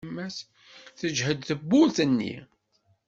Tejhed tewwurt-nni.